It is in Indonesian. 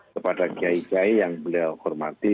kepada gai gai yang beliau hormati